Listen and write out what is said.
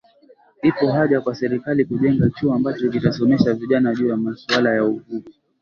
Ipo haja kwa Serikali kujenga chuo ambacho kitasomesha vijana juu ya masuala ya uvuvi